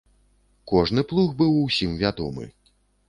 Кожны плуг быў усім вядомы.